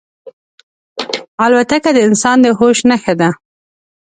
الوتکه د انسان د هوش نښه ده.